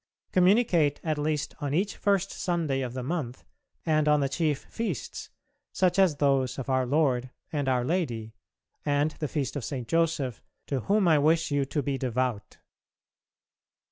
Communicate at least on each first Sunday of the month and on the chief feasts, such as those of Our Lord, and our Lady, and the feast of St. Joseph, to whom I wish you to be devout.